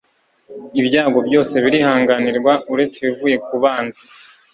ibyago byose birihanganirwa, uretse ibivuye ku banzi